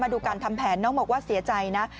ดูการทำแผนน้องบอกว่าเสียใจนะ